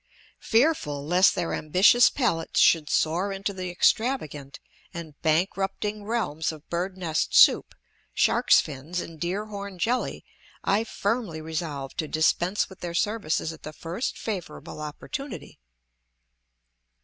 Fearful lest their ambitious palates should soar into the extravagant and bankrupting realms of bird nest soup, shark's fins, and deer horn jelly, I firmly resolve to dispense with their services at the first favorable opportunity.